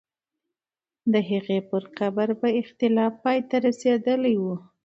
د هغې پر قبر به اختلاف پای ته رسېدلی وو.